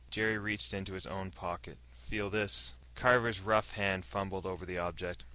Jerry reached into his own pocket. "Feel this." Carver's rough hand fumbled over the object.